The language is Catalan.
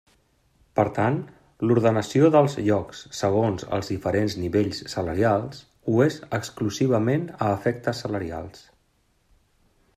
Per tant, l'ordenació dels llocs segons els diferents nivells salarials ho és exclusivament a efectes salarials.